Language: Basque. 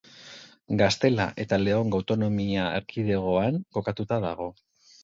Gaztela eta Leongo autonomia erkidegoan kokatuta dago.